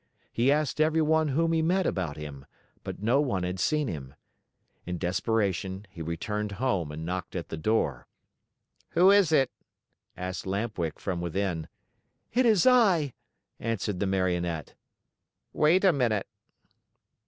He asked everyone whom he met about him, but no one had seen him. In desperation, he returned home and knocked at the door. "Who is it?" asked Lamp Wick from within. "It is I!" answered the Marionette. "Wait a minute."